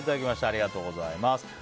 ありがとうございます。